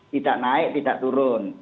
tidak naik tidak turun